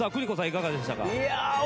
いかがでしたか？